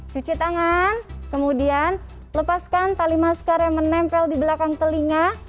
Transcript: cuci tangan kemudian lepaskan tali masker yang menempel di belakang telinga